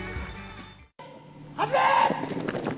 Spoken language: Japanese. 始め！